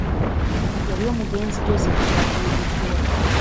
Yali omugenzi Joseph Kyagambiddwa.